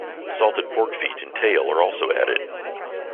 Salted pork feet and tail are also added.